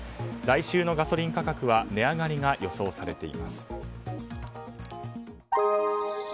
来週のガソリン価格は値上がりが予想されています。